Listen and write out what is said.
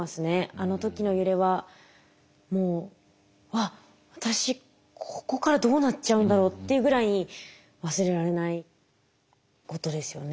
あの時の揺れはもう「私ここからどうなっちゃうんだろう」っていうぐらいに忘れられないことですよね。